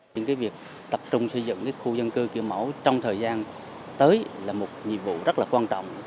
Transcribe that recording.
những việc tập trung xây dựng khu dân cư kiểu mẫu trong thời gian tới là một nhiệm vụ rất quan trọng